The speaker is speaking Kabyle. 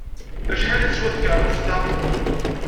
Acḥal i teswa tkeṛṛust-a?